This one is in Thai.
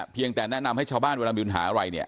เพียงแต่แนะนำให้ชาวบ้านเวลามีปัญหาอะไรเนี่ย